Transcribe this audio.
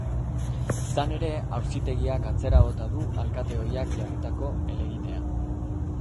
Izan ere, auzitegiak atzera bota du alkate ohiak jarritako helegitea.